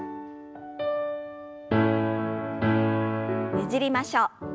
ねじりましょう。